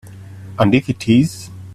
And if it is?